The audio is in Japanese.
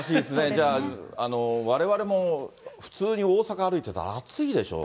じゃあ、われわれも普通に大阪歩いてたら暑いでしょ。